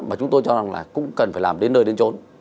mà chúng tôi cho rằng là cũng cần phải làm đến nơi đến trốn